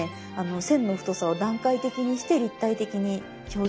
線の太さを段階的にして立体的に表現したりとか。